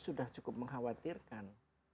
sudah cukup mengkhawatirkan